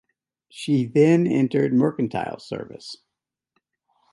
She then entered mercantile service.